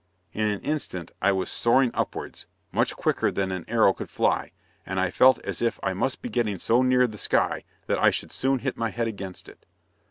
In an instant I was soaring upwards, much quicker than an arrow could fly, and I felt as if I must be getting so near the sky that I should soon hit my head against it!